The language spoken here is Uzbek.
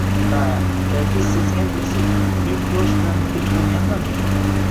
— Ha, balki sezgandirsiz, men quyosh bilan birga tug‘ilganman-da.